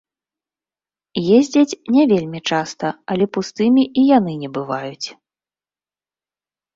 Ездзяць не вельмі часта, але пустымі і яны не бываюць.